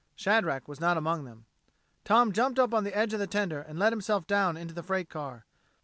Shadrack was not among them. Tom jumped up to the edge of the tender and let himself down into the freight car.